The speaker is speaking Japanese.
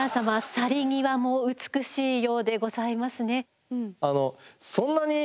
去り際も美しいようでございますね。